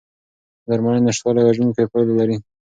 د درملنې نشتوالی وژونکي پایلې لري.